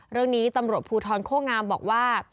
เรื่องนี้ตำรวจภูทรโคงามบอกว่า